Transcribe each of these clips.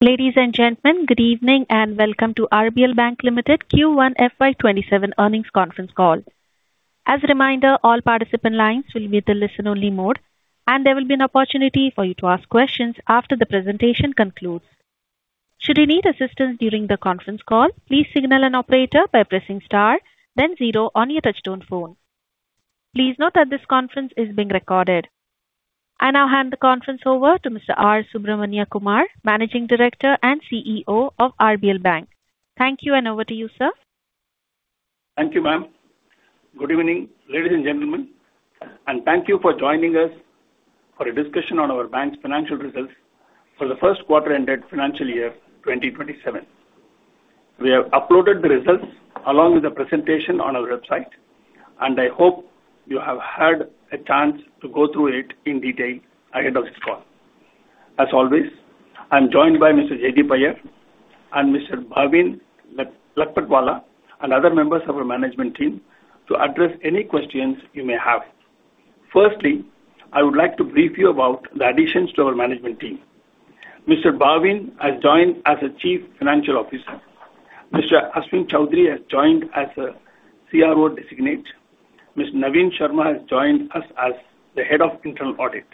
Ladies and gentlemen, good evening and welcome to RBL Bank Limited Q1 FY 2027 earnings conference call. As a reminder, all participant lines will be in the listen only mode, and there will be an opportunity for you to ask questions after the presentation concludes. Should you need assistance during the conference call, please signal an operator by pressing star then zero on your touchtone phone. Please note that this conference is being recorded. I now hand the conference over to Mr. R. Subramaniakumar, Managing Director and CEO of RBL Bank. Thank you, over to you, sir. Thank you, ma'am. Good evening, ladies and gentlemen, thank you for joining us for a discussion on our bank's financial results for the first quarter ended financial year 2027. We have uploaded the results along with the presentation on our website. I hope you have had a chance to go through it in detail ahead of this call. As always, I am joined by Mr. Jaideep Iyer and Mr. Bhavin Lakhpatwala and other members of our management team to address any questions you may have. Firstly, I would like to brief you about the additions to our management team. Mr. Bhavin has joined as a Chief Financial Officer. Mr. Ashwin Choudhary has joined as a CRO Designate. Mr. Navin Sharma has joined us as the Head of Internal Audit.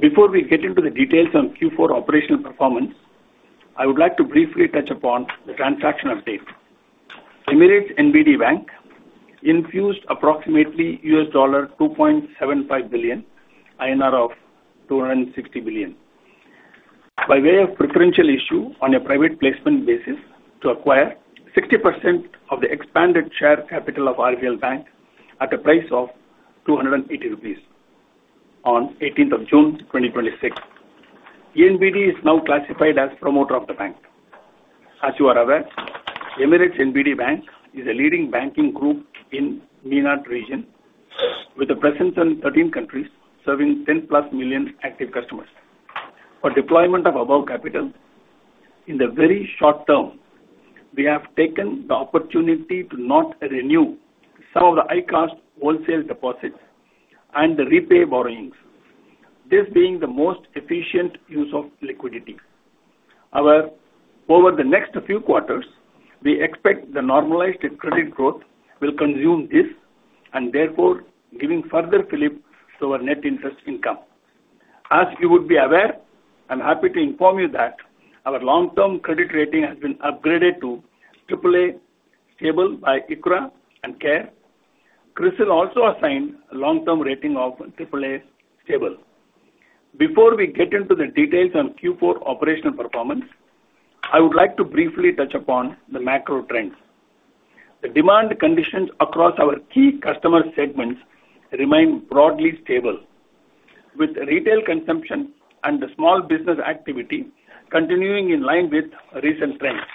Before we get into the details on Q4 operational performance, I would like to briefly touch upon the transaction update. Emirates NBD Bank infused approximately $2.75 billion, 260 billion. By way of preferential issue on a private placement basis to acquire 60% of the expanded share capital of RBL Bank at a price of 280 rupees on June 18th, 2026. ENBD is now classified as promoter of the bank. As you are aware, Emirates NBD Bank is a leading banking group in MENAT region with a presence in 13 countries, serving 10+ million active customers. For deployment of above capital, in the very short term, we have taken the opportunity to not renew some of the high-cost wholesale deposits and repay borrowings, this being the most efficient use of liquidity. However, over the next few quarters, we expect the normalized credit growth will consume this, therefore giving further fillip to our net interest income. As you would be aware, I am happy to inform you that our long-term credit rating has been upgraded to AAA (Stable) by ICRA and CARE. CRISIL also assigned a long-term rating of AAA (Stable). Before we get into the details on Q4 operational performance, I would like to briefly touch upon the macro trends. The demand conditions across our key customer segments remain broadly stable, with retail consumption and small business activity continuing in line with recent trends.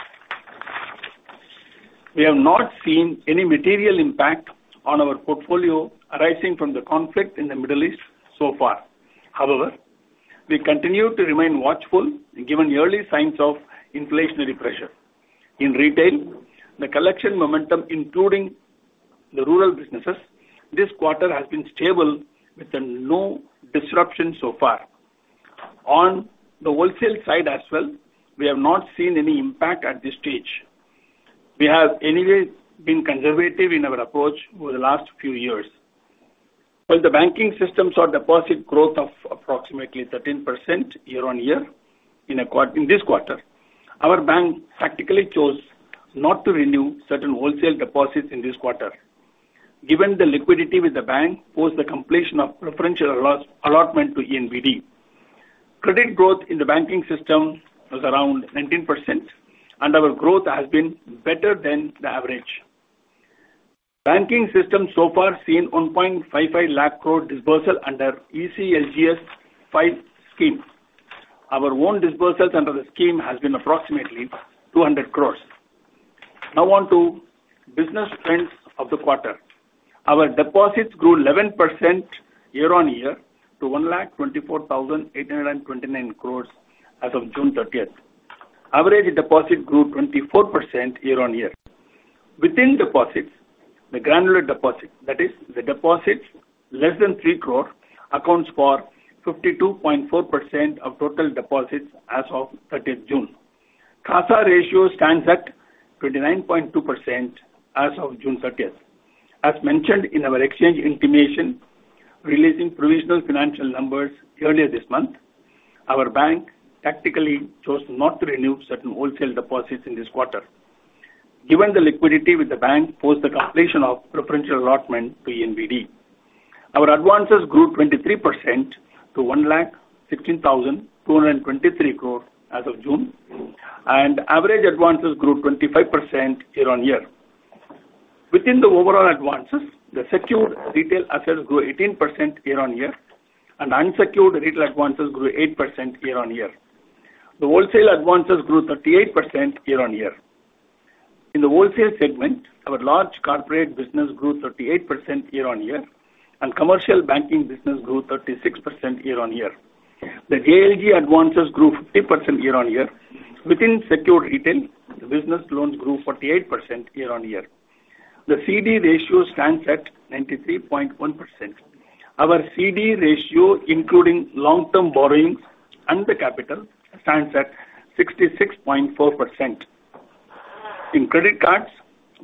We have not seen any material impact on our portfolio arising from the conflict in the Middle East so far. However, we continue to remain watchful given early signs of inflationary pressure. In retail, the collection momentum, including the rural businesses, this quarter has been stable with no disruptions so far. On the wholesale side as well, we have not seen any impact at this stage. We have anyway been conservative in our approach over the last few years. While the banking systems saw deposit growth of approximately 13% year-on-year in this quarter, our bank tactically chose not to renew certain wholesale deposits in this quarter, given the liquidity with the bank post the completion of preferential allotment to ENBD. Credit growth in the banking system was around 19%, and our growth has been better than the average. Banking system so far seen 1.55 lakh crore disbursal under ECLGS V scheme. Our own disbursals under the scheme has been approximately 200 crore. Now on to business trends of the quarter. Our deposits grew 11% year-on-year to 124,829 crore as of June 30th. Average deposit grew 24% year-on-year. Within deposits, the granular deposit, that is the deposits less than 3 crore, accounts for 52.4% of total deposits as of 30th June. CASA ratio stands at 29.2% as of June 30th. As mentioned in our exchange intimation, releasing provisional financial numbers earlier this month, our bank tactically chose not to renew certain wholesale deposits in this quarter. Given the liquidity with the bank post the completion of preferential allotment to ENBD. Our advances grew 23% to 116,223 crore as of June, and average advances grew 25% year-on-year. Within the overall advances, the secured retail assets grew 18% year-on-year, and unsecured retail advances grew 8% year-on-year. The wholesale advances grew 38% year-on-year. In the wholesale segment, our large corporate business grew 38% year-on-year, and commercial banking business grew 36% year-on-year. The JLG advances grew 50% year-on-year. Within secured retail, business loans grew 48% year-on-year. The CD ratio stands at 93.1%. Our CD ratio, including long-term borrowings and the capital, stands at 66.4%. In credit cards,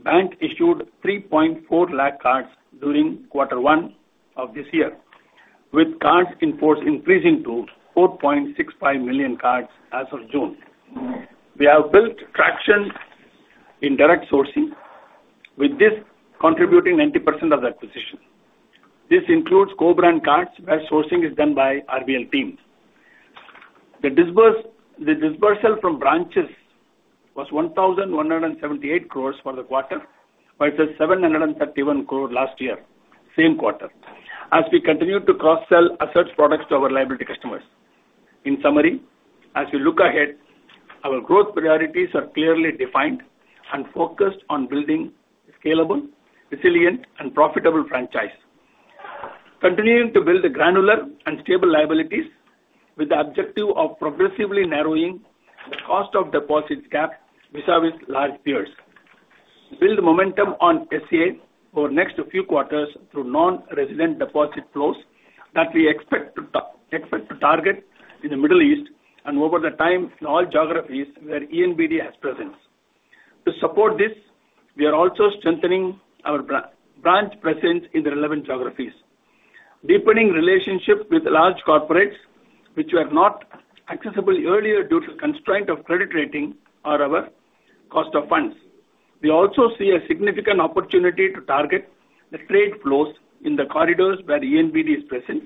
bank issued 3.4 lakh cards during quarter one of this year, with cards in force increasing to 4.65 million cards as of June. We have built traction in direct sourcing, with this contributing 90% of the acquisition. This includes co-brand cards where sourcing is done by RBL teams. The disbursal from branches was 1,178 crore for the quarter, versus 731 crore last year, same quarter. As we continue to cross-sell assets products to our liability customers. In summary, as we look ahead, our growth priorities are clearly defined and focused on building scalable, resilient, and profitable franchise. Continuing to build the granular and stable liabilities with the objective of progressively narrowing the cost of deposits gap vis-à-vis large peers. Build momentum on SCA for next few quarters through non-resident deposit flows that we expect to target in the Middle East and over the time in all geographies where ENBD has presence. To support this, we are also strengthening our branch presence in the relevant geographies. Deepening relationships with large corporates, which were not accessible earlier due to constraint of credit rating or our cost of funds. We also see a significant opportunity to target the trade flows in the corridors where ENBD is present,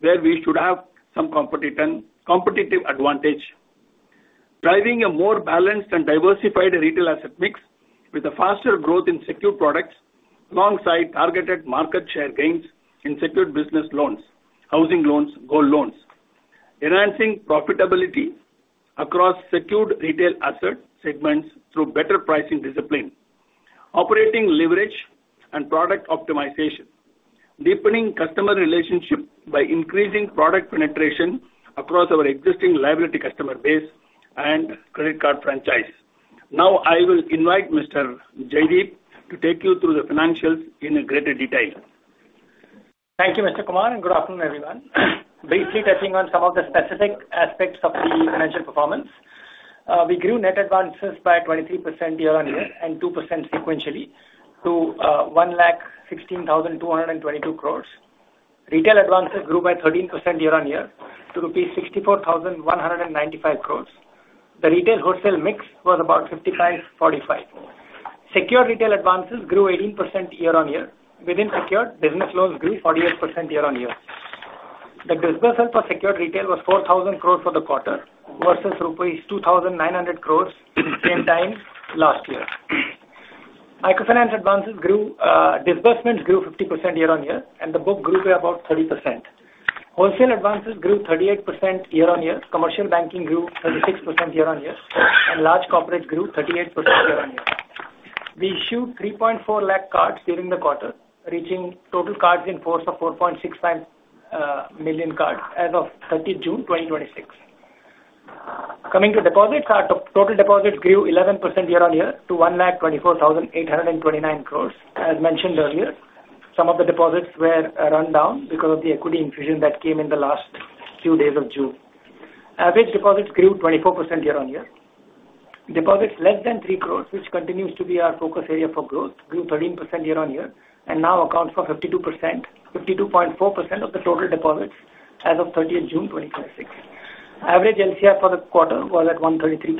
where we should have some competitive advantage. Driving a more balanced and diversified retail asset mix with a faster growth in secured products alongside targeted market share gains in secured business loans, housing loans, gold loans. Enhancing profitability across secured retail asset segments through better pricing discipline. Operating leverage and product optimization. Deepening customer relationship by increasing product penetration across our existing liability customer base and credit card franchise. I will invite Mr. Jaideep to take you through the financials in a greater detail. Thank you, Mr. Kumar, and good afternoon, everyone. Briefly touching on some of the specific aspects of the financial performance. We grew net advances by 23% year-on-year and 2% sequentially to 116,222 crore. Retail advances grew by 13% year-on-year to 64,195 crore. The retail wholesale mix was about 55/45. Secured retail advances grew 18% year-on-year. Within secured, business loans grew 48% year-on-year. The dispersal for secured retail was 4,000 crore for the quarter versus rupees 2,900 crore in the same time last year. Microfinance disbursements grew 50% year-on-year, and the book grew by about 30%. Wholesale advances grew 38% year-on-year. Commercial banking grew 36% year-on-year, and large corporate grew 38% year-on-year. We issued 3.4 lakh cards during the quarter, reaching total cards in force of 4.65 million cards as of June 30th, 2026. Coming to deposits, our total deposits grew 11% year-on-year to 124,829 crore. As mentioned earlier, some of the deposits were run down because of the equity infusion that came in the last few days of June. Average deposits grew 24% year-on-year. Deposits less than 3 crore, which continues to be our focus area for growth, grew 13% year-on-year and now accounts for 52.4% of the total deposits as of June 30th, 2026. Average NCR for the quarter was at 133%.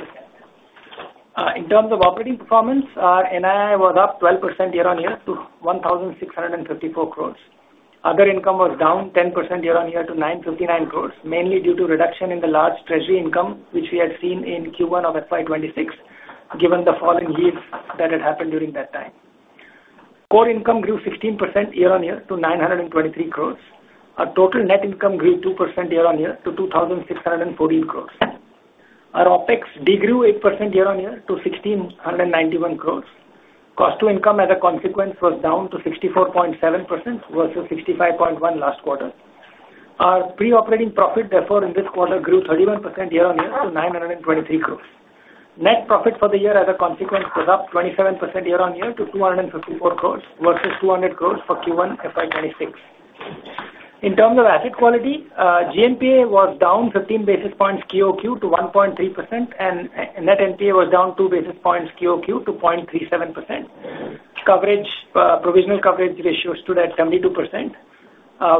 In terms of operating performance, NII was up 12% year-on-year to 1,654 crore. Other income was down 10% year-on-year to 959 crore, mainly due to reduction in the large treasury income, which we had seen in Q1 of FY 2026, given the fall in yields that had happened during that time. Core income grew 16% year-on-year to 923 crore. Our total net income grew 2% year-on-year to 2,614 crore. Our OpEx de-grew 8% year-on-year to 1,691 crore. Cost to income as a consequence was down to 64.7% versus 65.1% last quarter. Our pre-operating profit, therefore, in this quarter grew 31% year-on-year to 923 crore. Net profit for the year, as a consequence, was up 27% year-on-year to 254 crore versus 200 crore for Q1 FY 2026. In terms of asset quality, GNPA was down 15 basis points QoQ to 1.3%, and net NPA was down 2 basis points QoQ to 0.37%. Provisional coverage ratio stood at 72%.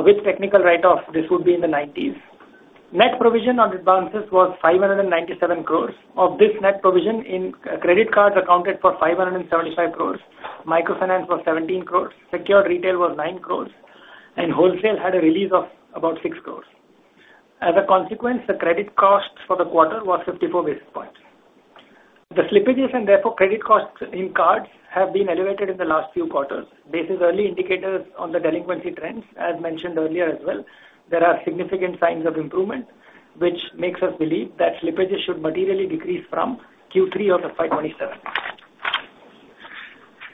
With technical write-off, this would be in the 90s. Net provision on advances was 597 crore. Of this net provision, credit cards accounted for 575 crore, microfinance was 17 crore, secured retail was 9 crore, and wholesale had a release of about 6 crore. As a consequence, the credit cost for the quarter was 54 basis points. The slippages and therefore credit costs in cards have been elevated in the last few quarters. Basis early indicators on the delinquency trends, as mentioned earlier as well, there are significant signs of improvement, which makes us believe that slippages should materially decrease from Q3 of FY 2027.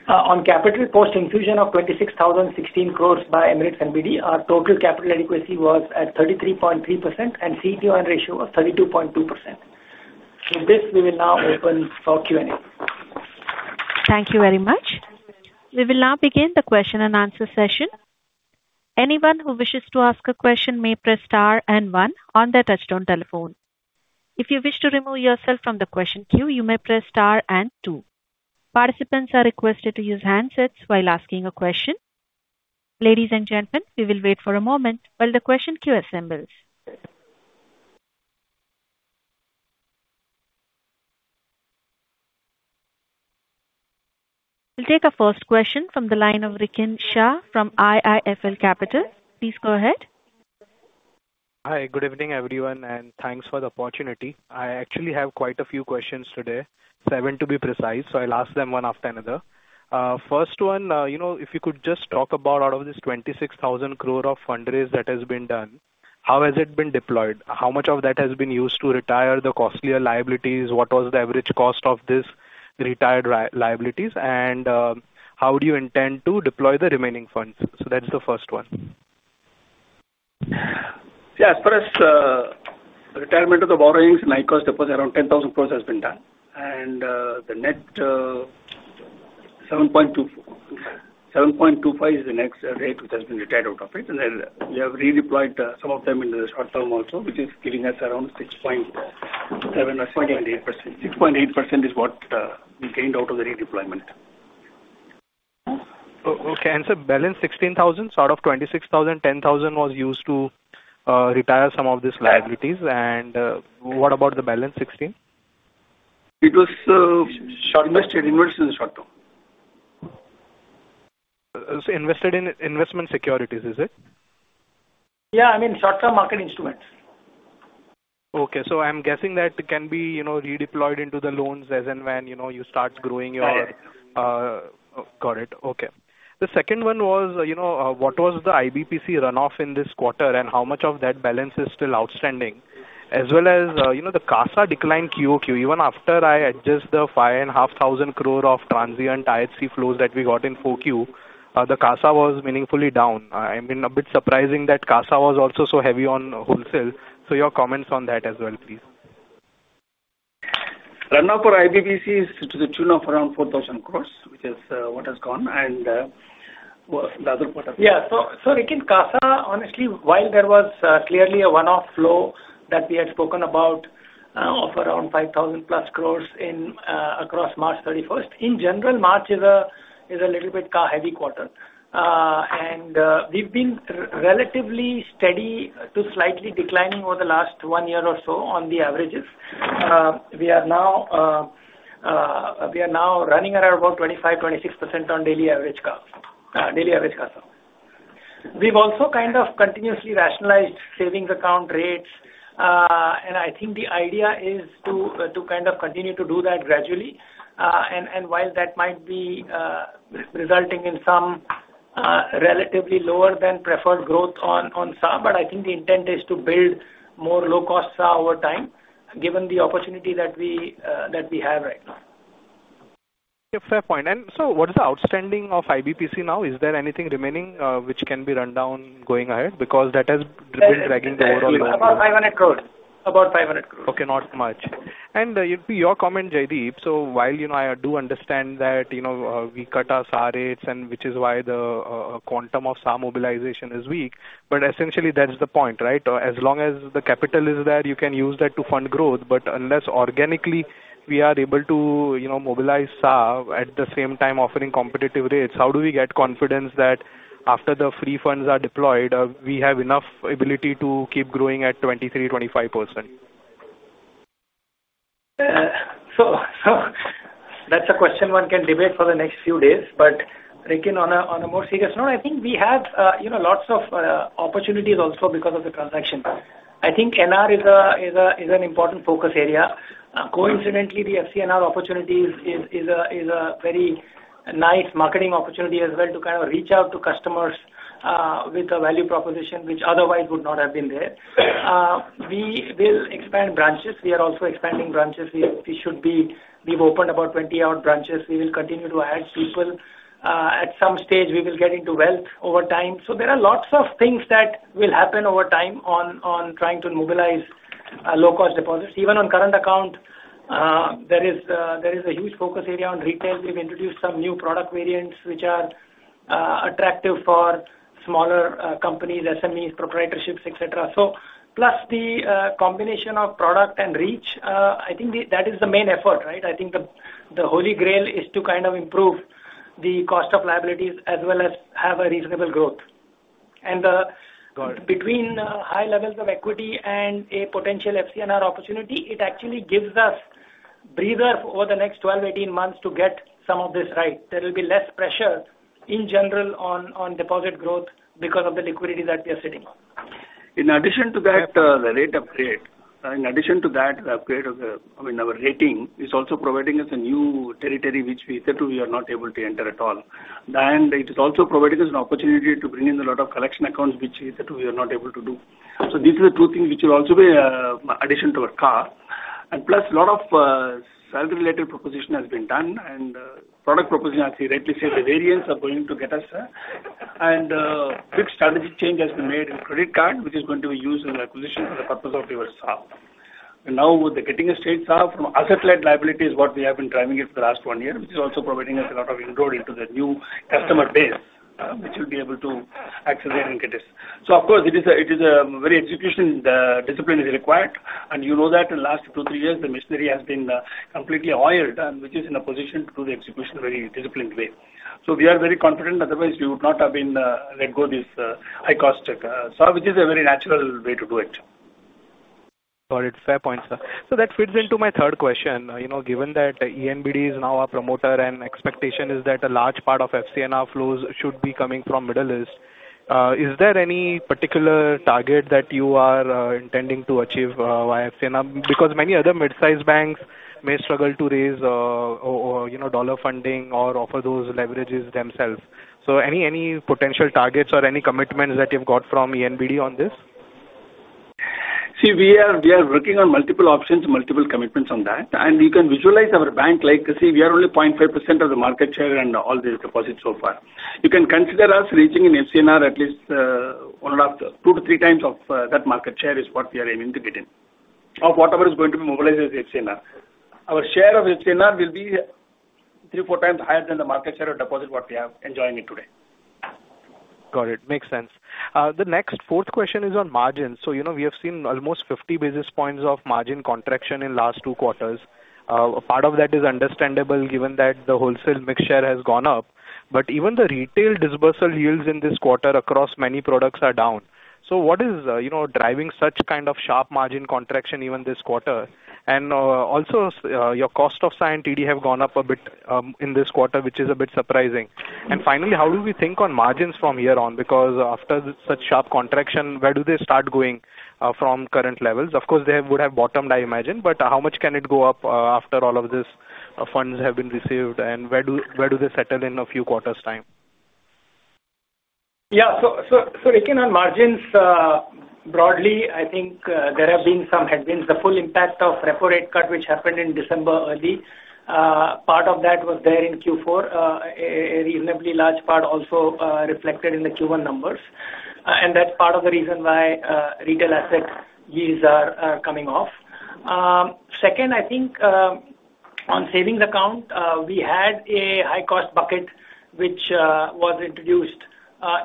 On capital post infusion of 26,016 crore by Emirates NBD, our total capital adequacy was at 33.3% and CET1 ratio was 32.2%. With this, we will now open for Q&A. Thank you very much. We will now begin the question-and-answer session. Anyone who wishes to ask a question may press star one on their touchtone telephone. If you wish to remove yourself from the question queue, you may press star two. Participants are requested to use handsets while asking a question. Ladies and gentlemen, we will wait for a moment while the question queue assembles. We will take our first question from the line of Rikin Shah from IIFL Capital. Please go ahead. Hi. Good evening, everyone, and thanks for the opportunity. I actually have quite a few questions today. Seven to be precise, I will ask them one after another. First one, if you could just talk about out of this 26,000 crore of fundraise that has been done, how has it been deployed? How much of that has been used to retire the costlier liabilities? What was the average cost of this retired liabilities, and how do you intend to deploy the remaining funds? That is the first one. As per retirement of the borrowings and high-cost deposits, around 10,000 crore has been done, and the net 7.25% is the next rate which has been retired out of it. We have redeployed some of them in the short term also, which is giving us around 6.7% or 6.8%- 6.8%. ...6.8% is what we gained out of the redeployment. Okay. Balance 16,000 out of 26,000, 10,000 was used to retire some of these liabilities. What about the balance 16,000? It was invested in short term. Invested in investment securities, is it? Yeah, I mean short-term market instruments. Okay. I'm guessing that can be redeployed into the loans as and when you start growing your. Right. Got it. Okay. The second one was, what was the IBPC runoff in this quarter and how much of that balance is still outstanding? As well as the CASA declined QoQ. Even after I adjust the 5,500 crore of transient IHC flows that we got in 4Q, the CASA was meaningfully down. I mean, a bit surprising that CASA was also so heavy on wholesale. Your comments on that as well, please. Runoff for IBPC is to the tune of around 4,000 crore, which is what has gone and the other quarter. Yeah. Rikin, CASA, honestly, while there was clearly a one-off flow that we had spoken about of around 5,000+ crore across March 31st. In general, March is a little bit CASA heavy quarter. We've been relatively steady to slightly declining over the last one year or so on the averages. We are now running around about 25%-26% on daily average CASA. We've also kind of continuously rationalized savings account rates. I think the idea is to kind of continue to do that gradually. While that might be resulting in some relatively lower than preferred growth on some, but I think the intent is to build more low-cost CASA over time, given the opportunity that we have right now. Yeah, fair point. What is the outstanding of IBPC now? Is there anything remaining, which can be run down going ahead? Because that has been dragging the overall- About 500 crore. 500 crore. Okay. Not much. Your comment, Jaideep. While I do understand that we cut our CASA rates, which is why the quantum of some mobilization is weak, but essentially that is the point, right? As long as the capital is there, you can use that to fund growth. Unless organically we are able to mobilize CASA, at the same time offering competitive rates, how do we get confidence that after the free funds are deployed, we have enough ability to keep growing at 23%-25%? That's a question one can debate for the next few days. Rikin, on a more serious note, I think we have lots of opportunities also because of the transaction. I think NR is an important focus area. Coincidentally, the FCNR opportunities is a very nice marketing opportunity as well to kind of reach out to customers, with a value proposition which otherwise would not have been there. We will expand branches. We are also expanding branches. We've opened about 20-odd branches. We will continue to add people. At some stage, we will get into wealth over time. There are lots of things that will happen over time on trying to mobilize low-cost deposits. Even on current account, there is a huge focus area on retail. We've introduced some new product variants, which are attractive for smaller companies, SMEs, proprietorships, etc. Plus the combination of product and reach, I think that is the main effort, right? I think the holy grail is to kind of improve the cost of liabilities as well as have a reasonable growth. Got it. Between high levels of equity and a potential FCNR opportunity, it actually gives us breather over the next 12-18 months to get some of this right. There will be less pressure in general on deposit growth because of the liquidity that we are sitting on. In addition to that, the rate upgrade. In addition to that, the upgrade of our rating is also providing us a new territory which we said we are not able to enter at all. It is also providing us an opportunity to bring in a lot of collection accounts, which we said we are not able to do. These are the two things which will also be addition to our CASA. Plus, lot of salary-related proposition has been done and product proposition, as we rightly said, the variants are going to get us there. Big strategy change has been made in credit card, which is going to be used in acquisition for the purpose of your SA. With the getting a state SA from asset-led liability is what we have been driving it for the last one year, which is also providing us a lot of inflow into the new customer base, which will be able to accelerate and get us. Of course, a very execution discipline is required. You know that in last two to three years, the machinery has been completely oiled and which is in a position to do the execution very disciplined way. We are very confident, otherwise we would not have let go this high-cost SA, which is a very natural way to do it. Got it. Fair point, sir. That fits into my third question. Given that ENBD is now our promoter and expectation is that a large part of FCNR flows should be coming from Middle East, is there any particular target that you are intending to achieve via FCNR? Because many other midsize banks may struggle to raise dollar funding or offer those leverages themselves. Any potential targets or any commitments that you've got from ENBD on this? We are working on multiple options, multiple commitments on that, you can visualize our bank, we are only 0.5% of the market share and all the deposits so far. You can consider us reaching an FCNR at least two to three times of that market share is what we are aiming to get in, of whatever is going to be mobilized as FCNR. Our share of FCNR will be three, four times higher than the market share of deposit what we have enjoying it today. Got it. Makes sense. The next fourth question is on margins. We have seen almost 50 basis points of margin contraction in last two quarters. Part of that is understandable given that the wholesale mix share has gone up. Even the retail dispersal yields in this quarter across many products are down. What is driving such kind of sharp margin contraction even this quarter? Your cost of C&TD have gone up a bit in this quarter, which is a bit surprising. How do we think on margins from here on? Because after such sharp contraction, where do they start going from current levels? Of course, they would have bottomed, I imagine, but how much can it go up after all of this funds have been received and where do they settle in a few quarters' time? Rikin, on margins, broadly, there have been some headwinds. The full impact of repo rate cut, which happened in December early, part of that was there in Q4. A reasonably large part also reflected in the Q1 numbers. That's part of the reason why retail asset yields are coming off. Second, on savings account, we had a high-cost bucket, which was introduced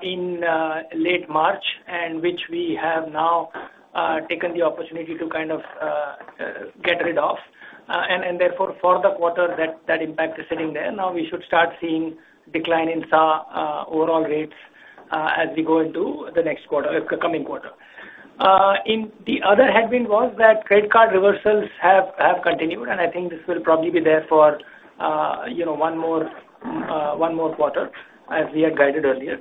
in late March, which we have now taken the opportunity to kind of get rid of. For the quarter that impact is sitting there. We should start seeing decline in SA overall rates as we go into the coming quarter. The other headwind was that credit card reversals have continued, and I think this will probably be there for one more quarter as we had guided earlier.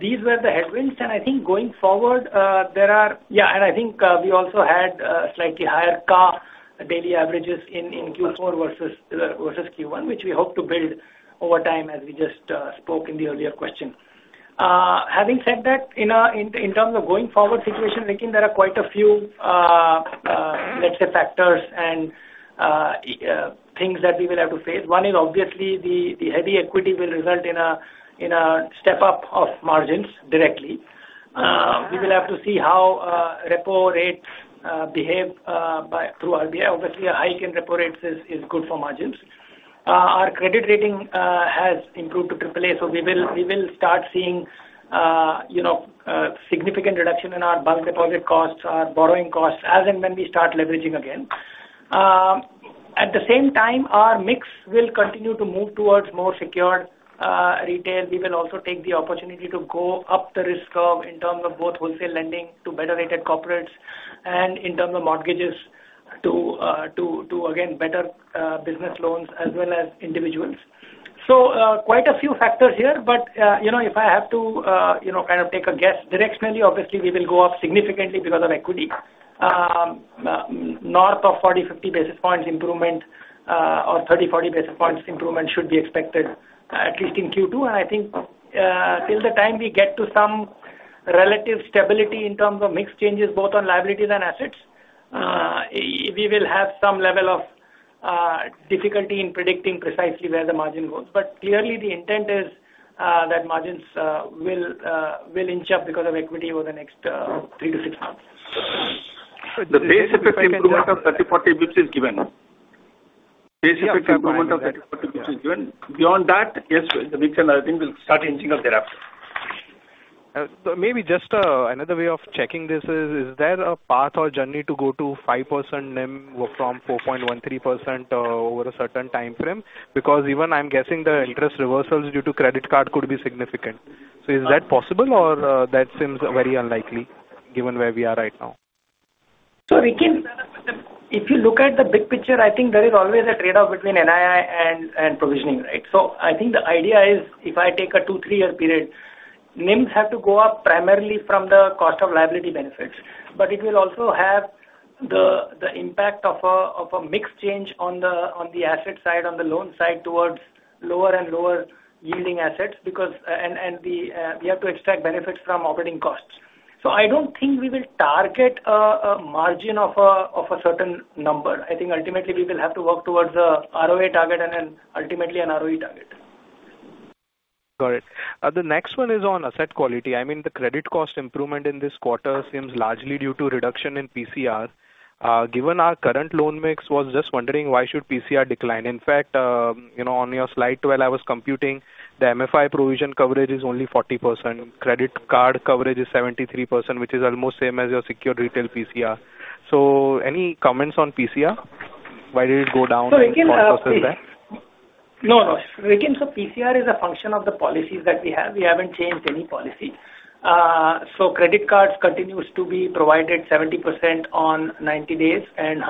These were the headwinds, and I think going forward, Yeah, and I think we also had slightly higher [CASA] daily averages in Q4 versus Q1, which we hope to build over time as we just spoke in the earlier question. Having said that, in terms of going forward situation, Rikin, there are quite a few, let's say, factors and things that we will have to face. One is obviously the heavy equity will result in a step up of margins directly. We will have to see how repo rates behave through RBI. Obviously, a hike in repo rates is good for margins. Our credit rating has improved to AAA, so we will start seeing significant reduction in our bulk deposit costs, our borrowing costs, as and when we start leveraging again. At the same time, our mix will continue to move towards more secured retail. We will also take the opportunity to go up the risk curve in terms of both wholesale lending to better rated corporates and in terms of mortgages to, again, better business loans as well as individuals. Quite a few factors here, but if I have to take a guess directionally, obviously, we will go up significantly because of equity. North of 40 basis points, 50 basis points improvement or 30 basis points, 40 basis points improvement should be expected, at least in Q2. I think till the time we get to some relative stability in terms of mix changes both on liabilities and assets, we will have some level of difficulty in predicting precisely where the margin goes. Clearly the intent is that margins will inch up because of equity over the next three to six months. The base effect improvement of 30basis points, 40 basis points, which is given. Base effect improvement of 30 basis points, 40 basis points, which is given. Beyond that, yes, the mix and I think will start inching up thereafter. Maybe just another way of checking this is there a path or journey to go to 5% NIM from 4.13% over a certain time frame? Even I'm guessing the interest reversals due to credit card could be significant. Is that possible or that seems very unlikely given where we are right now? Rikin, if you look at the big picture, I think there is always a trade-off between NII and provisioning, right? I think the idea is if I take a two, three year period, NIMs have to go up primarily from the cost of liability benefits. It will also have the impact of a mix change on the asset side, on the loan side towards lower and lower yielding assets and we have to extract benefits from operating costs. I don't think we will target a margin of a certain number. I think ultimately we will have to work towards a ROA target and then ultimately an ROE target. Got it. The next one is on asset quality. The credit cost improvement in this quarter seems largely due to reduction in PCR. Given our current loan mix, was just wondering why should PCR decline? In fact, on your slide 12, I was computing the MFI provision coverage is only 40%. Credit card coverage is 73%, which is almost same as your secured retail PCR. Any comments on PCR? Why did it go down and what causes that? No. PCR is a function of the policies that we have. We haven't changed any policy. Credit cards continues to be provided 70% on 90 days and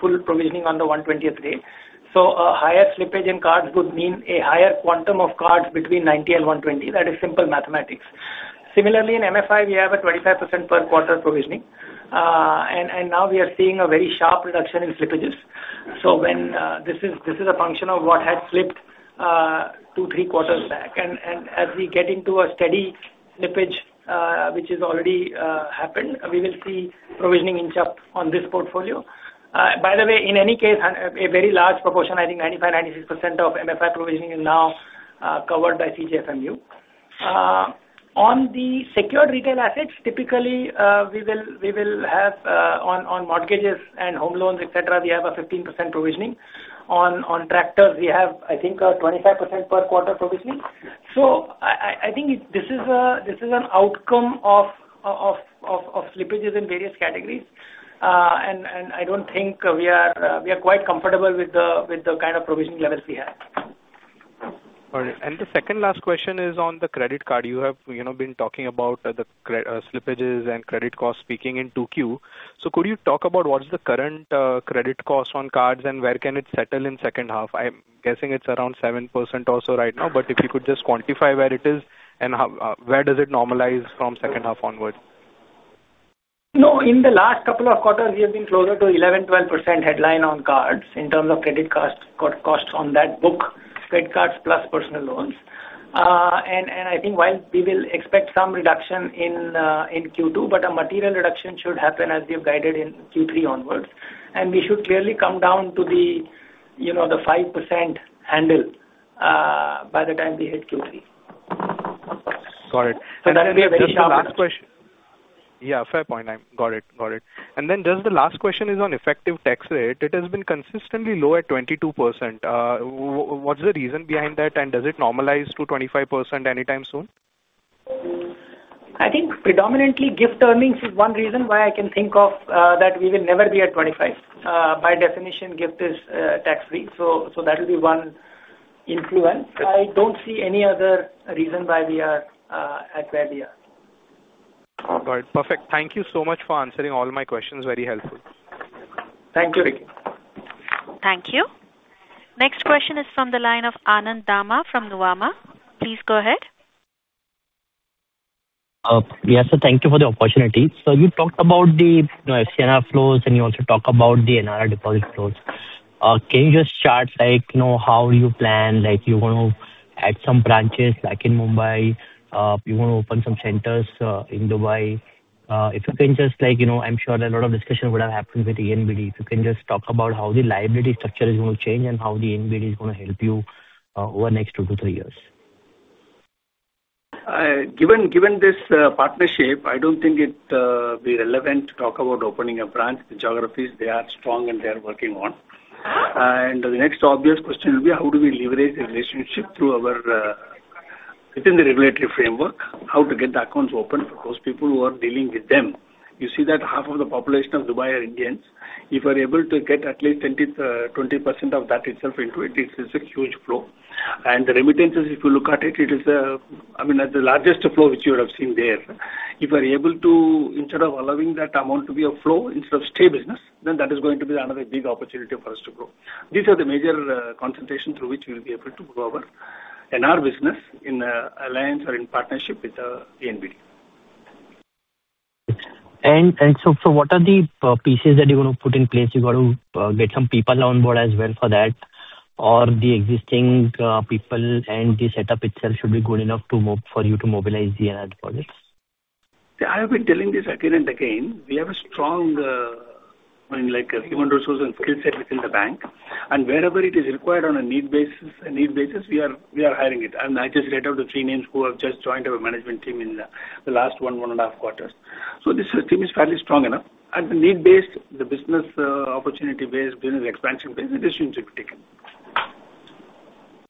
full provisioning on the 120th day. A higher slippage in cards would mean a higher quantum of cards between 90 and 120. That is simple mathematics. Similarly, in MFI, we have a 25% per quarter provisioning, and now we are seeing a very sharp reduction in slippages. This is a function of what had slipped two, three quarters back. As we get into a steady slippage, which has already happened, we will see provisioning inch up on this portfolio. By the way, in any case, a very large proportion, I think 95%, 96% of MFI provisioning is now covered by CGFMU. On the secured retail assets, typically, we will have on mortgages and home loans, etc, we have a 15% provisioning. On tractors, we have, I think, a 25% per quarter provisioning. I think this is an outcome of slippages in various categories. We are quite comfortable with the kind of provisioning levels we have. All right. The second last question is on the credit card. You have been talking about the slippages and credit costs peaking in 2Q. Could you talk about what is the current credit cost on cards and where can it settle in second half? I'm guessing it's around 7% or so right now, but if you could just quantify where it is and where does it normalize from second half onwards? No. In the last couple of quarters, we have been closer to 11%, 12% headline on cards in terms of credit costs on that book, credit cards plus personal loans. I think while we will expect some reduction in Q2, a material reduction should happen as we have guided in Q3 onwards. We should clearly come down to the 5% handle by the time we hit Q3. Got it. That will be a very sharp. Yeah, fair point. Got it. Just the last question is on effective tax rate. It has been consistently low at 22%. What's the reason behind that, and does it normalize to 25% anytime soon? I think predominantly GIFT earnings is one reason why I can think of that we will never be at 25%. By definition, GIFT is tax-free, so that will be one influence. I don't see any other reason why we are at where we are. Got it. Perfect. Thank you so much for answering all my questions. Very helpful. Thank you. Thank you. Next question is from the line of Anand Dama from Nuvama. Please go ahead. Yes. Thank you for the opportunity. You talked about the FCNR flows, and you also talk about the NRI deposit flows. Can you just chart how you plan? You want to add some branches back in Mumbai. You want to open some centers in Dubai. I am sure a lot of discussion would have happened with the NBD. If you can just talk about how the liability structure is going to change and how the NBD is going to help you over the next two to three years. Given this partnership, I do not think it will be relevant to talk about opening a branch. The geographies, they are strong and they are working on. The next obvious question will be how do we leverage the relationship within the regulatory framework, how to get the accounts open for those people who are dealing with them. You see that half of the population of Dubai are Indians. If we are able to get at least 20% of that itself into it is a huge flow. The remittances, if you look at it is the largest flow which you would have seen there. If we are able to, instead of allowing that amount to be a flow, instead of stay business, that is going to be another big opportunity for us to grow. These are the major concentrations through which we will be able to grow our NR business in alliance or in partnership with the NBD. What are the pieces that you want to put in place? You got to get some people on board as well for that, or the existing people and the setup itself should be good enough for you to mobilize the [NRI] deposits? I have been telling this again and again. We have a strong human resource and skill set within the bank, and wherever it is required on a need basis, we are hiring it. I just read out the three names who have just joined our management team in the last one and a half quarters. This team is fairly strong enough. As the need base, the business opportunity base, business expansion base, decisions will be taken.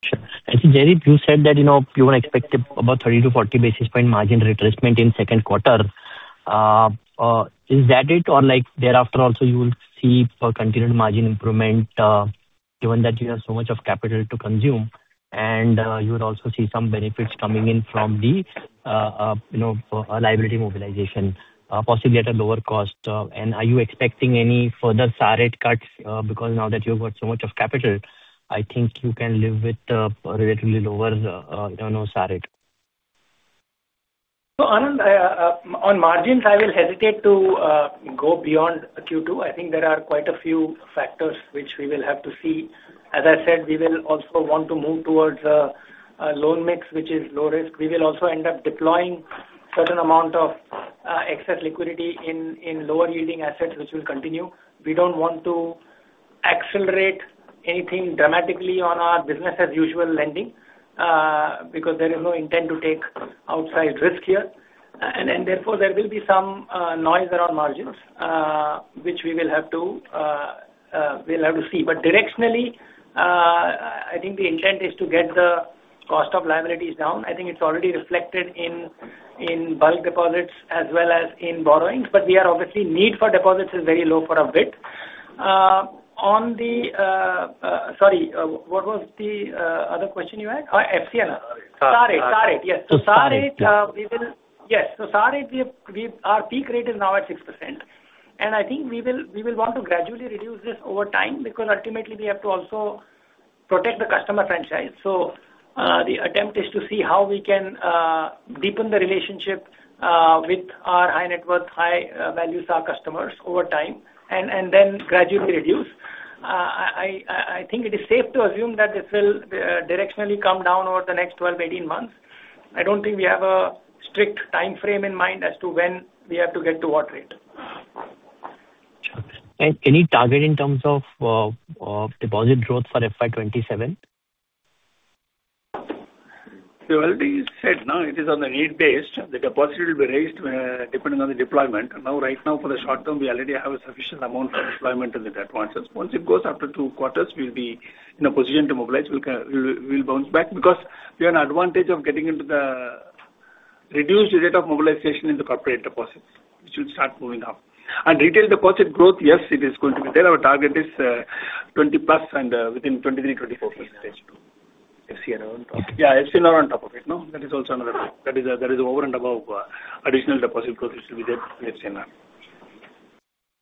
Sure. Jaideep, you said that you want to expect about 30 basis points-40 basis point margin retracement in second quarter. Is that it or thereafter also you will see a continued margin improvement, given that you have so much of capital to consume and you would also see some benefits coming in from the liability mobilization, possibly at a lower cost? Are you expecting any further SA rate cuts? Because now that you've got so much of capital, I think you can live with a relatively lower SA rate. Anand, on margins, I will hesitate to go beyond Q2. I think there are quite a few factors which we will have to see. As I said, we will also want to move towards a loan mix, which is low risk. We will also end up deploying certain amount of excess liquidity in lower yielding assets, which will continue. We don't want to accelerate anything dramatically on our business as usual lending, because there is no intent to take outsized risk here. Therefore, there will be some noise around margins, which we will have to be able to see. Directionally, I think the intent is to get the cost of liabilities down. I think it's already reflected in bulk deposits as well as in borrowings, but here obviously need for deposits is very low for a bit. Sorry, what was the other question you had? FCNR. SA rate. SA rate. Yes. SA rate, our peak rate is now at 6%. I think we will want to gradually reduce this over time, because ultimately we have to also protect the customer franchise. The attempt is to see how we can deepen the relationship with our high net worth, high value star customers over time, and then gradually reduce. I think it is safe to assume that this will directionally come down over the next 12-18 months. I don't think we have a strict timeframe in mind as to when we have to get to what rate. Sure. Any target in terms of deposit growth for FY 2027? We already said, no, it is on a need base. The deposit will be raised depending on the deployment. Right now, for the short term, we already have a sufficient amount of deployment in the deposits. Once it goes after two quarters, we'll be in a position to mobilize. We'll bounce back because we are in advantage of getting into the reduced rate of mobilization in the corporate deposits, which will start moving up. Retail deposit growth, yes, it is going to be there. Our target is 20+% and within 23%-24%. FCNR on top. Yeah, FCNR on top of it. That is also another thing. That is over and above additional deposit growth which will be there with FCNR.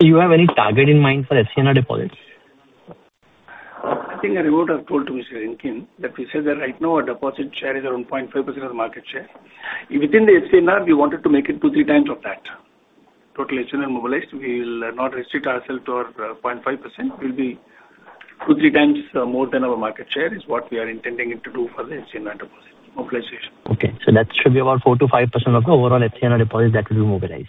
Do you have any target in mind for FCNR deposits? I think I would have told to Mr. Rikin that we said that right now our deposit share is around 0.5% of the market share. Within the FCNR, we wanted to make it two, three times of that. Total FCNR mobilized, we will not restrict ourself to our 0.5%. We'll be two, three times more than our market share is what we are intending to do for the FCNR deposit mobilization. Okay. That should be about 4%-5% of the overall FCNR deposit that will be mobilized.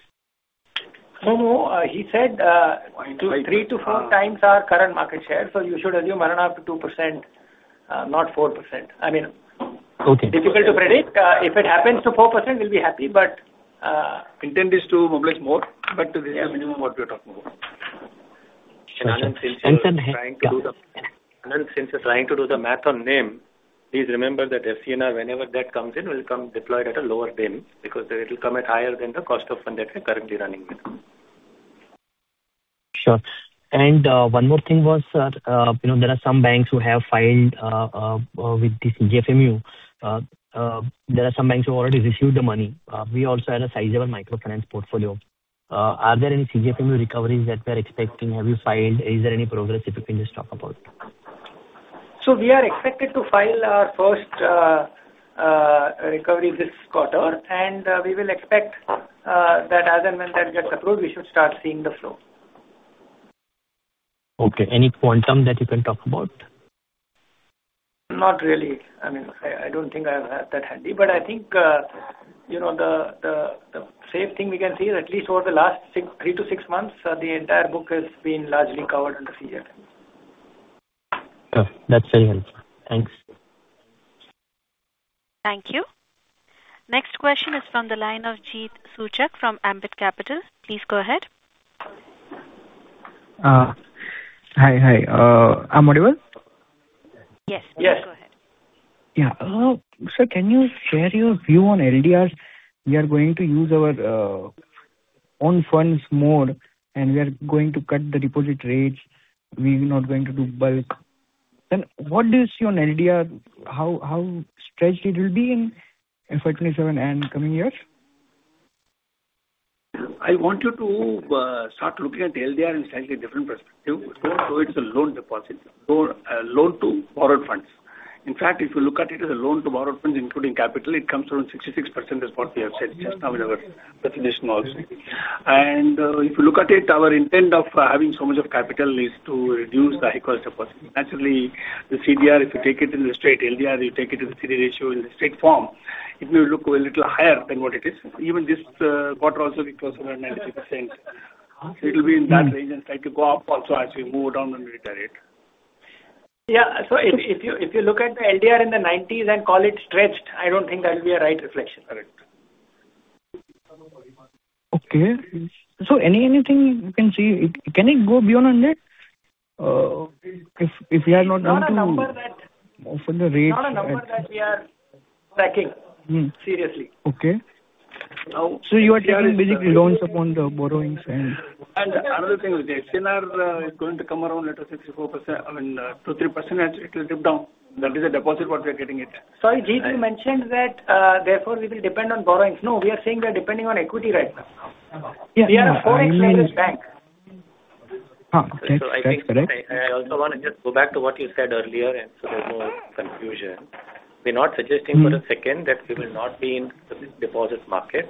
Somu, he said 3x-4x our current market share. You should assume one and a half to 2%, not 4%- Okay. ...difficult to predict. If it happens to 4%, we'll be happy, but- Intent is to mobilize more, but this is the minimum what we are talking about. Anand, since you're trying to do the math on NIM, please remember that FCNR, whenever that comes in, will come deployed at a lower NIM, because it will come at higher than the cost of fund that we're currently running with. Sure. One more thing was that there are some banks who have filed with the CGFMU. There are some banks who already received the money. We also had a sizable microfinance portfolio. Are there any CGFMU recoveries that we're expecting? Have you filed? Is there any progress that you can just talk about? We are expected to file our first recovery this quarter, and we will expect that as and when that gets approved, we should start seeing the flow. Okay. Any quantum that you can talk about? Not really. I don't think I have that handy. I think the safe thing we can say is at least over the last three to six months, the entire book has been largely covered under CGFMU. That's very helpful. Thanks. Thank you. Next question is from the line of Jeet Suchak from Ambit Capital. Please go ahead. Hi. Am I audible? Yes. Yes. Go ahead. Yeah. Sir, can you share your view on LDRs? We are going to use our own funds more, we are going to cut the deposit rates. We are not going to do bulk. What do you see on LDR? How stretched it will be in FY 2027 and coming years? I want you to start looking at the LDR in slightly different perspective. It's a loan deposit, loan to borrowed funds. In fact, if you look at it as a loan to borrowed funds including capital, it comes around 66%. That's what we have said just now in our presentation also. If you look at it, our intent of having so much of capital is to reduce the high-cost deposit. Naturally, the CDR, if you take it in the straight LDR, you take it to the CDR ratio in the straight form, it may look a little higher than what it is. Even this quarter also, it was around 93%. It will be in that range and slightly go up also as we move down on retail rate. Yeah. If you look at the LDR in the 1990s and call it stretched, I don't think that will be a right reflection of it. Okay. Anything you can say, can it go beyond 100? If we are not able to- It's not a number that- Offer the rates at- It's not a number that we are tracking seriously. Okay. You are carrying basically loans upon the borrowings and- Another thing with the FCNR, it is going to come around at 6%, 4%, I mean, 2%, 3%, it will dip down. That is a deposit what we are getting it. Sorry, Jeet, you mentioned that therefore we will depend on borrowings. No, we are saying we are depending on equity right now. Yes. We are a 4x levers bank. Okay. I think I also want to just go back to what you said earlier, there is no confusion. We are not suggesting for a second that we will not be in the deposit market.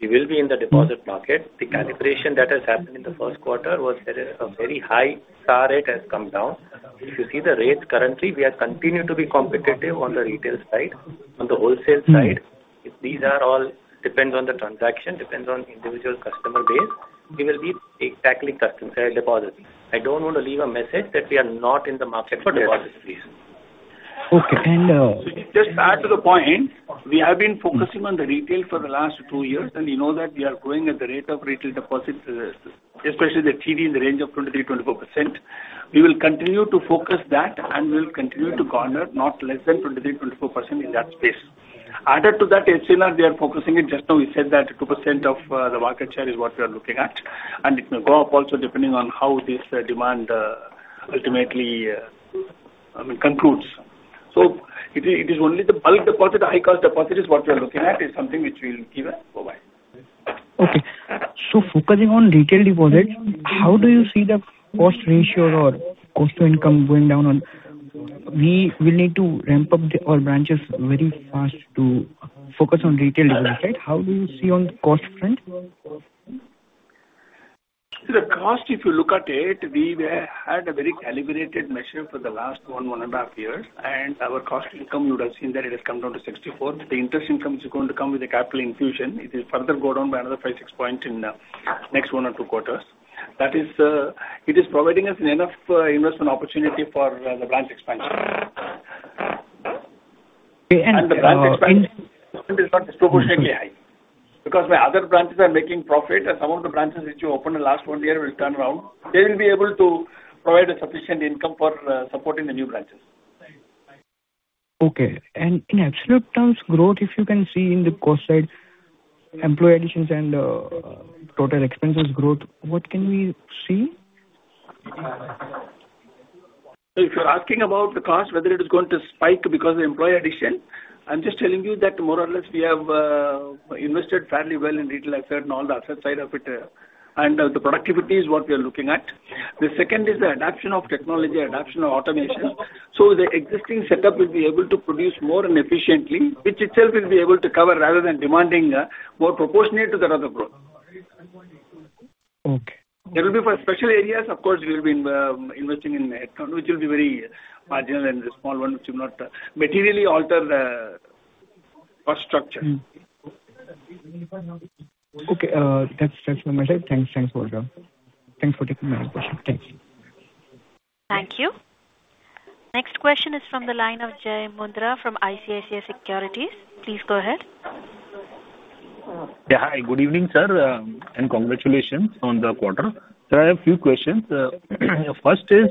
We will be in the deposit market. The calibration that has happened in the first quarter was there is a very high star rate has come down. If you see the rates currently, we have continued to be competitive on the retail side. On the wholesale side. These all depend on the transaction, depends on individual customer base. We will be tackling customer deposits. I do not want to leave a message that we are not in the market for deposits, please. Okay. Just to add to the point, we have been focusing on the retail for the last two years, and you know that we are growing at the rate of retail deposits, especially the TD in the range of 23%-24%. We will continue to focus that, and we will continue to garner not less than 23%-24% in that space. Added to that, FCNR, we are focusing it. Just now we said that 2% of the market share is what we are looking at, and it may go up also depending on how this demand ultimately concludes. It is only the bulk deposit, the high-cost deposit is what we are looking at, is something which we will give and provide. Okay. Focusing on retail deposits, how do you see the cost ratio or cost to income going down on? We will need to ramp up our branches very fast to focus on retail deposits. How do you see on the cost front? The cost, if you look at it, we had a very calibrated measure for the last one and a half years. Our cost income, you would have seen that it has come down to 64. The interest income is going to come with a capital infusion. It will further go down by another 5 points, 6 points in the next one or two quarters. That is, it is providing us enough investment opportunity for the branch expansion. In- The branch expansion is not disproportionately high because my other branches are making profit and some of the branches which we opened in the last one year will turn around. They will be able to provide a sufficient income for supporting the new branches. Okay. In absolute terms growth, if you can see in the cost side, employee additions and total expenses growth, what can we see? If you're asking about the cost, whether it is going to spike because of employee addition, I'm just telling you that more or less we have invested fairly well in retail asset and all the asset side of it. The productivity is what we are looking at. The second is the adoption of technology, adoption of automation. The existing setup will be able to produce more and efficiently, which itself will be able to cover rather than demanding more proportionate to that of the growth. Okay. There will be for special areas, of course, we will be investing in headcount, which will be very marginal and small one, which will not materially alter the cost structure. Okay. That's my message. Thanks for taking my question. Thanks. Thank you. Next question is from the line of Jai Mundhra from ICICI Securities. Please go ahead. Yeah. Hi, good evening, sir, and congratulations on the quarter. Sir, I have a few questions. First is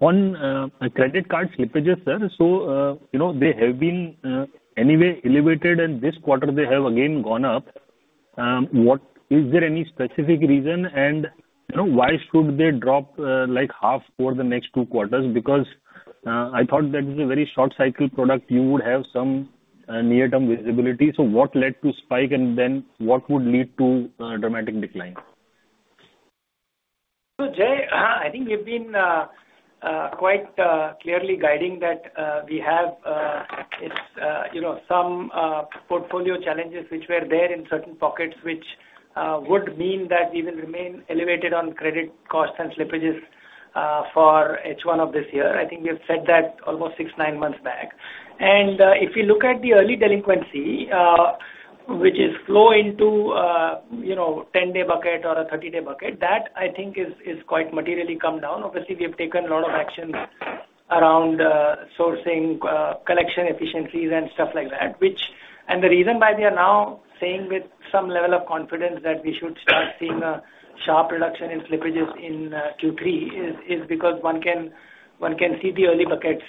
on credit card slippages, sir. They have been anyway elevated and this quarter they have again gone up. Is there any specific reason? Why should they drop half for the next two quarters? Because I thought that is a very short cycle product. You would have some near-term visibility. What led to spike and then what would lead to a dramatic decline? Jai, I think we've been quite clearly guiding that we have some portfolio challenges which were there in certain pockets, which would mean that we will remain elevated on credit cost and slippages for H1 of this year. I think we have said that almost six, nine months back. If you look at the early delinquency, which is flow into a 10-day bucket or a 30-day bucket, that I think is quite materially come down. Obviously, we have taken a lot of actions around sourcing, collection efficiencies and stuff like that. The reason why we are now saying with some level of confidence that we should start seeing a sharp reduction in slippages in Q3 is because one can see the early buckets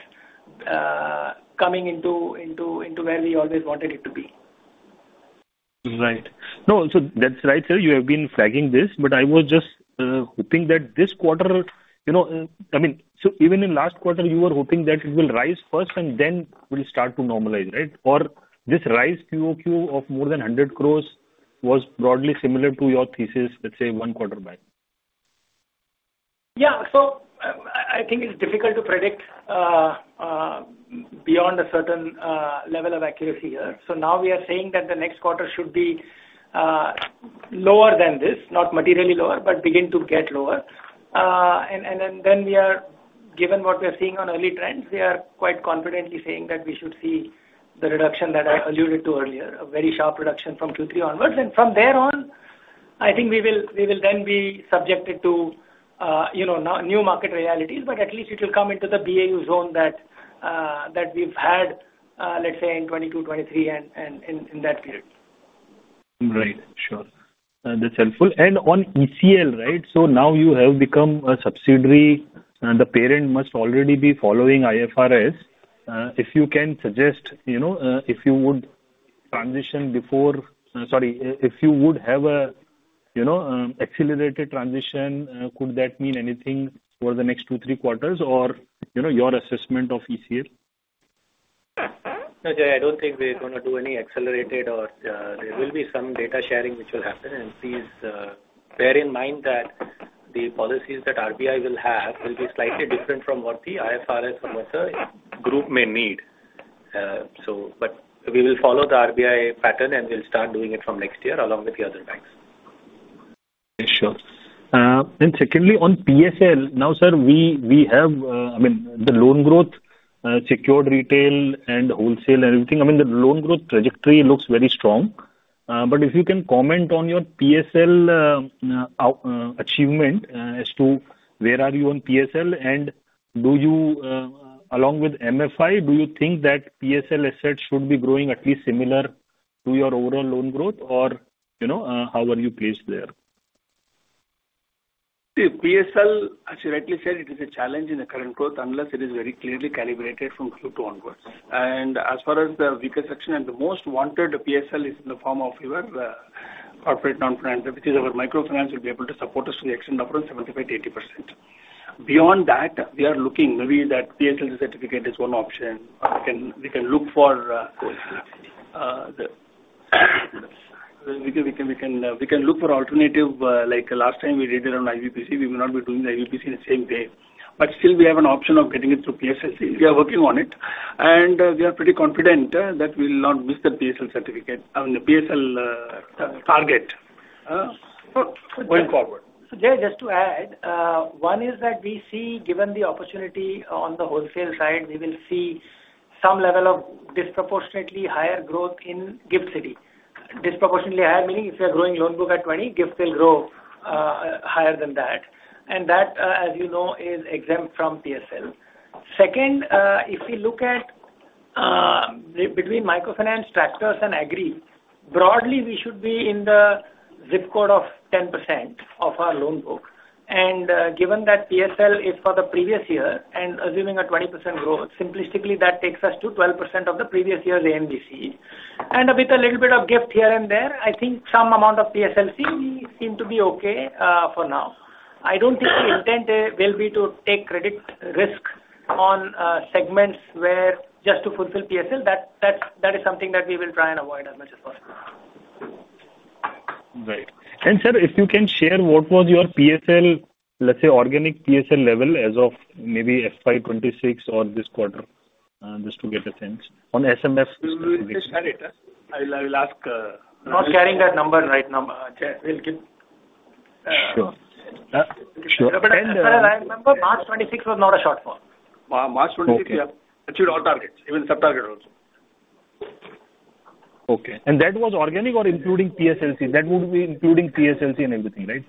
coming into where we always wanted it to be. Right. No, that's right, sir. You have been flagging this, but I was just hoping that this quarter. Even in last quarter, you were hoping that it will rise first and then will start to normalize, right? This rise QoQ of more than 100 crore was broadly similar to your thesis, let's say one quarter back. Yeah. I think it's difficult to predict beyond a certain level of accuracy here. Now we are saying that the next quarter should be lower than this, not materially lower, but begin to get lower. Given what we are seeing on early trends, we are quite confidently saying that we should see the reduction that I alluded to earlier, a very sharp reduction from Q3 onwards. From there on, I think we will then be subjected to new market realities, but at least it will come into the BAU zone that we've had, let's say in 2022-2023, and in that period. Right. Sure. That's helpful. On ECL, right? Now you have become a subsidiary and the parent must already be following IFRS. If you would have a accelerated transition, could that mean anything for the next two, three quarters or your assessment of ECL? No, Jai, I don't think we're going to do any accelerated. There will be some data sharing which will happen. Please bear in mind that the policies that RBI will have will be slightly different from what the IFRS promoter group may need. We will follow the RBI pattern, and we'll start doing it from next year along with the other banks. Sure. Secondly, on PSL. Sir, the loan growth secured retail and wholesale and everything, the loan growth trajectory looks very strong. If you can comment on your PSL achievement as to where are you on PSL and along with MFI, do you think that PSL assets should be growing at least similar to your overall loan growth? How are you placed there? PSL, as you rightly said, it is a challenge in the current growth unless it is very clearly calibrated from Q2 onwards. As far as the weaker section and the most wanted PSL is in the form of your corporate non-finance, which is our microfinance will be able to support us to the extent of around 75%-80%. Beyond that, we are looking maybe that PSLC certificate is one option. We can look for alternative, like last time we did it on IBPC. We may not be doing the IBPC in the same way. Still we have an option of getting it through PSLC. We are working on it, and we are pretty confident that we will not miss the PSL target going forward. Jai, just to add. One is that we see given the opportunity on the wholesale side, we will see some level of disproportionately higher growth in GIFT City. Disproportionately higher meaning if you're growing loan book at 20%, GIFT will grow higher than that. That, as you know, is exempt from PSL. Second, if we look at between microfinance tractors and agri, broadly, we should be in the zip code of 10% of our loan book. Given that PSL is for the previous year and assuming a 20% growth, simplistically, that takes us to 12% of the previous year's ANBC. With a little bit of GIFT here and there, I think some amount of PSLC we seem to be okay for now. I don't think the intent will be to take credit risk on segments where just to fulfill PSL. That is something that we will try and avoid as much as possible. Right. Sir, if you can share what was your PSL, let's say organic PSL level as of maybe FY 2026 or this quarter, just to get a sense on SMA. We will get that data. Not carrying that number right now. We'll give. Sure. As far as I remember, March 2026 was not a shortfall. March 26, we have achieved all targets, even sub target also. Okay. That was organic or including PSLC? That would be including PSLC and everything, right?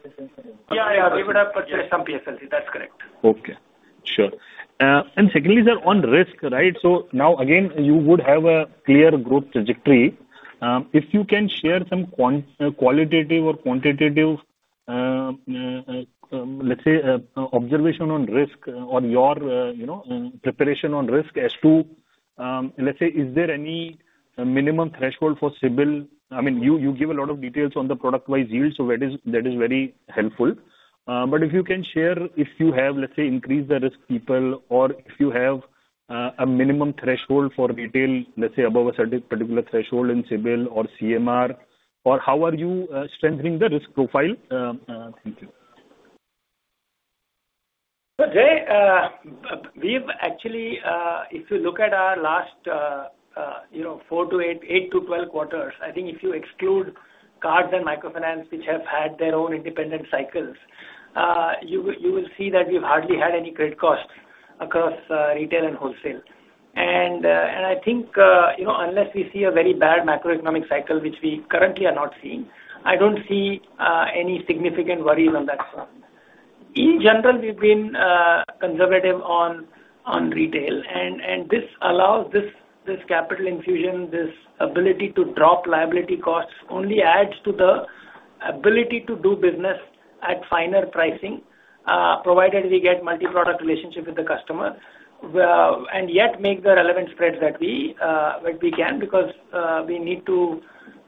Yeah. We would have purchased some PSLC. That's correct. Okay, sure. Secondly, sir, on risk. Now again, you would have a clear growth trajectory. If you can share some qualitative or quantitative, let's say, observation on risk or your preparation on risk as to, let's say, is there any minimum threshold for CIBIL? You give a lot of details on the product wise yield, so that is very helpful. But if you can share, if you have, let's say, increased the risk people or if you have a minimum threshold for retail, let's say above a certain particular threshold in CIBIL or CMR, or how are you strengthening the risk profile? Thank you. Jai, actually if you look at our last 8-12 quarters, I think if you exclude cards and microfinance, which have had their own independent cycles, you will see that we've hardly had any credit costs across retail and wholesale. I think unless we see a very bad macroeconomic cycle, which we currently are not seeing, I don't see any significant worries on that front. In general, we've been conservative on retail, and this allows this capital infusion, this ability to drop liability costs only adds to the ability to do business at finer pricing, provided we get multi-product relationship with the customer. Yet make the relevant spreads that we can because we need to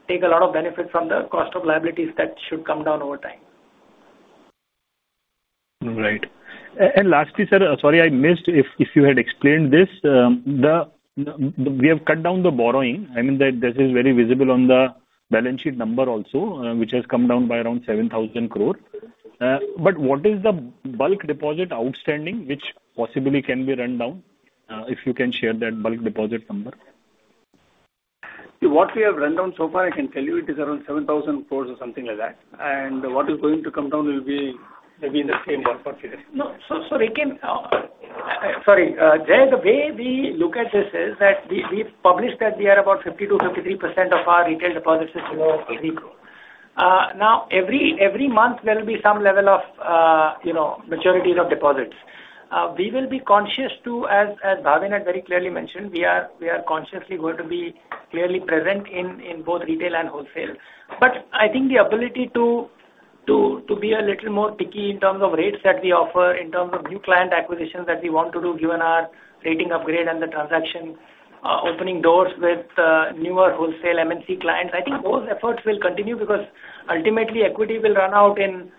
take a lot of benefit from the cost of liabilities that should come down over time. Right. Lastly, sir, sorry I missed if you had explained this. We have cut down the borrowing. This is very visible on the balance sheet number also, which has come down by around 7,000 crore. What is the bulk deposit outstanding which possibly can be run down? If you can share that bulk deposit number. What we have run down so far, I can tell you it is around 7,000 crore or something like that. What is going to come down will be maybe in the same ballpark figure. Sorry, Jai, the way we look at this is that we published that we are about 52%-53% of our retail deposits is [inaudible] Now, every month there will be some level of maturities of deposits. We will be conscious too, as Bhavin had very clearly mentioned, we are consciously going to be clearly present in both retail and wholesale. I think the ability to be a little more picky in terms of rates that we offer, in terms of new client acquisitions that we want to do given our rating upgrade and the transaction opening doors with newer wholesale MNC clients. I think both efforts will continue because ultimately equity will run out in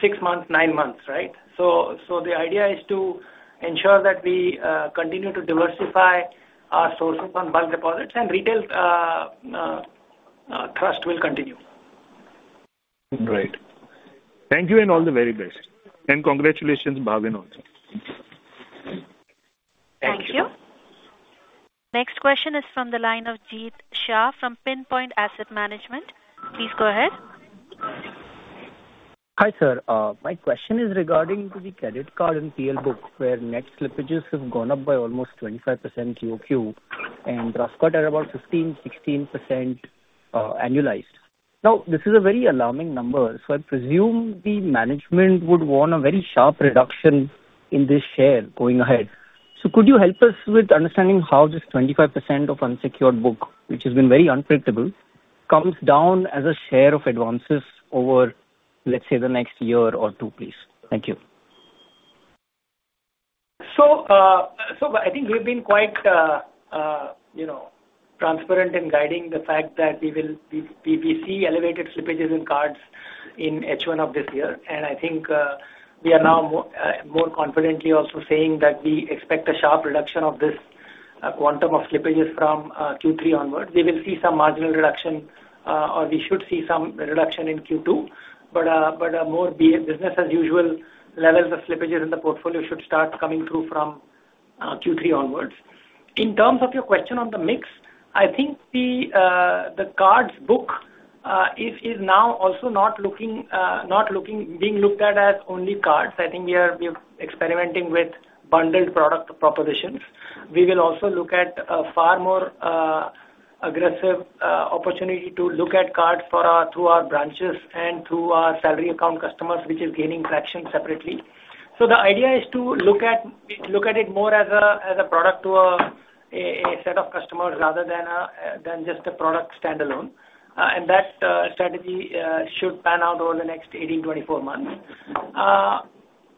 six months, nine months, right? The idea is to ensure that we continue to diversify our sources on bulk deposits and retail trust will continue. Right. Thank you and all the very best. Congratulations, Bhavin also. Thank you. Next question is from the line of Jeet Shah from PinPoint Asset Management. Please go ahead. Hi, sir. My question is regarding to the credit card and PL book, where net slippages have gone up by almost 25% QoQ and gross cut at about 15%, 16% annualized. This is a very alarming number, so I presume the management would want a very sharp reduction in this share going ahead. Could you help us with understanding how this 25% of unsecured book, which has been very unpredictable, comes down as a share of advances over, let's say, the next year or two, please? Thank you. I think we've been quite transparent in guiding the fact that we see elevated slippages in cards in H1 of this year. I think we are now more confidently also saying that we expect a sharp reduction of this quantum of slippages from Q3 onwards. We will see some marginal reduction, or we should see some reduction in Q2, but more business-as-usual levels of slippages in the portfolio should start coming through from Q3 onwards. In terms of your question on the mix, I think the cards book is now also not being looked at as only cards. I think we are experimenting with bundled product propositions. We will also look at a far more aggressive opportunity to look at cards through our branches and through our salary account customers, which is gaining traction separately. The idea is to look at it more as a product to a set of customers rather than just a product standalone. That strategy should pan out over the next 18-24 months.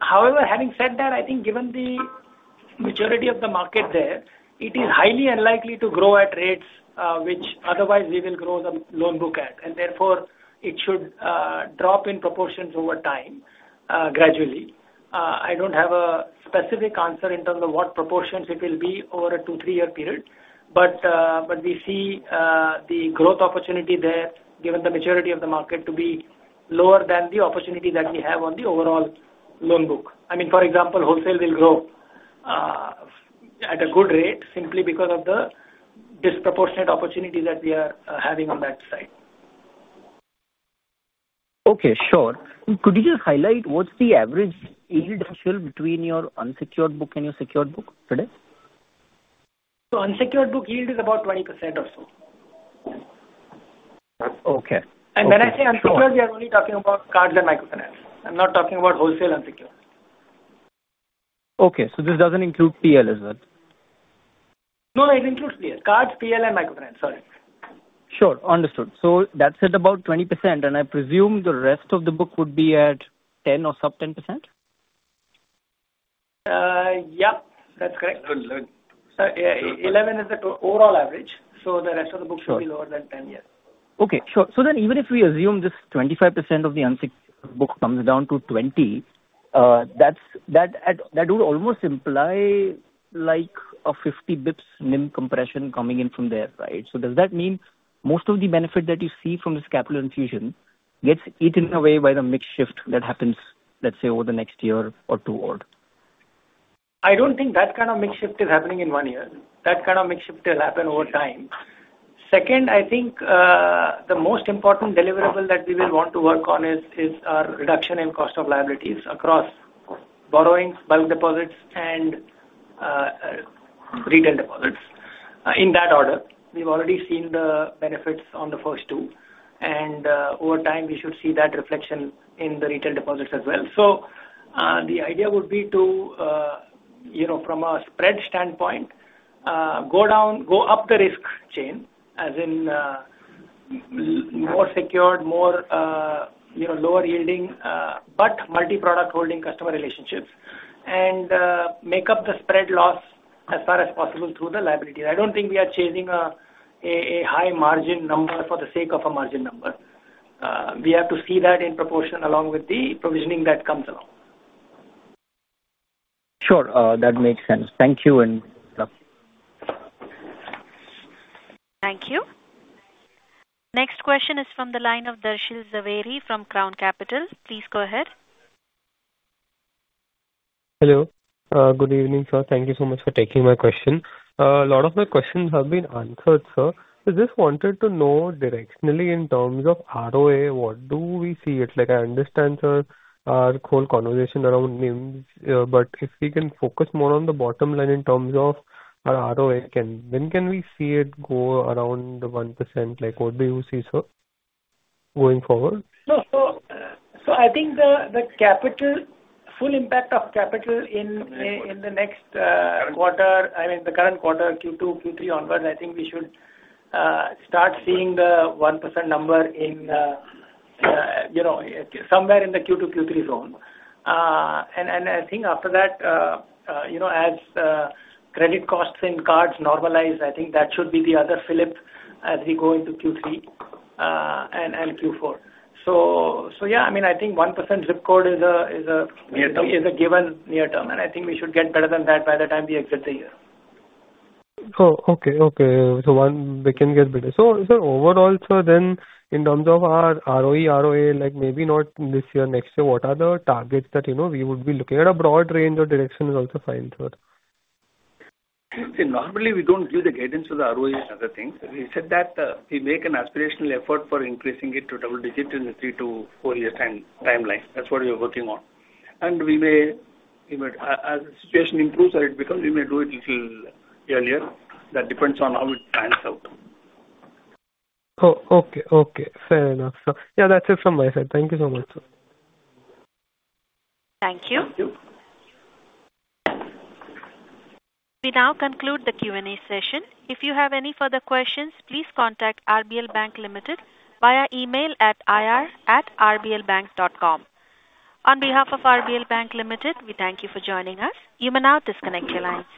However, having said that, I think given the maturity of the market there, it is highly unlikely to grow at rates which otherwise we will grow the loan book at, and therefore, it should drop in proportions over time gradually. I don't have a specific answer in terms of what proportions it will be over a two, three-year period. We see the growth opportunity there, given the maturity of the market to be lower than the opportunity that we have on the overall loan book. For example, wholesale will grow at a good rate simply because of the disproportionate opportunity that we are having on that side. Okay, sure. Could you just highlight what's the average yield differential between your unsecured book and your secured book today? Unsecured book yield is about 20% or so. Okay. When I say unsecured Sure. We are only talking about cards and microfinance. I'm not talking about wholesale unsecured. Okay, this doesn't include PL as well? No, it includes PL. Cards, PL, and microfinance. Sorry. Sure. Understood. That's at about 20%, and I presume the rest of the book would be at 10% or sub 10%? Yeah, that's correct. Good. 11% is the overall average, the rest of the book- Sure. ....should be lower than 10%, yeah. Okay, sure. Even if we assume this 25% of the unsecured book comes down to 20%, that would almost imply a 50 basis points NIM compression coming in from there, right? Does that mean most of the benefit that you see from this capital infusion gets eaten away by the mix shift that happens, let's say, over the next year or two odd? I don't think that kind of mix shift is happening in one year. That kind of mix shift will happen over time. Second, I think, the most important deliverable that we will want to work on is our reduction in cost of liabilities across borrowings, bulk deposits, and retail deposits, in that order. We've already seen the benefits on the first two, and over time, we should see that reflection in the retail deposits as well. The idea would be to, from a spread standpoint, go up the risk chain as in more secured, lower yielding, but multi-product holding customer relationships, and make up the spread loss as far as possible through the liabilities. I don't think we are chasing a high margin number for the sake of a margin number. We have to see that in proportion along with the provisioning that comes along. Sure. That makes sense. Thank you and bye. Thank you. Next question is from the line of Darshil Jhaveri from Crown Capital. Please go ahead. Hello. Good evening, sir. Thank you so much for taking my question. A lot of my questions have been answered, sir. Just wanted to know directionally in terms of ROA, what do we see? I understand, sir, our whole conversation around NIMs. If we can focus more on the bottom line in terms of our ROA, when can we see it go around the 1%? What do you see, sir, going forward? I think the full impact of capital in the next quarter, the current quarter, Q2, Q3 onwards, I think we should start seeing the 1% number somewhere in the Q2, Q3 zone. I think after that, as credit costs in cards normalize, I think that should be the other flip as we go into Q3 and Q4. Yeah, I think 1% zip code is- Near term. ...given near term, I think we should get better than that by the time we exit the year. Okay. We can get better. Sir, overall, in terms of our ROE, ROA, maybe not this year, next year, what are the targets that we would be looking at? A broad range or direction is also fine, sir. See, normally we don't give the guidance for the ROE and other things. We said that we make an aspirational effort for increasing it to double digit in a three to four year timeline. That's what we are working on. As the situation improves or it becomes, we may do it little earlier. That depends on how it pans out. Okay. Fair enough, sir. Yeah, that's it from my side. Thank you so much, sir. Thank you. Thank you. We now conclude the Q&A session. If you have any further questions, please contact RBL Bank Limited via email at ir@rblbank.com. On behalf of RBL Bank Limited, we thank you for joining us. You may now disconnect your lines.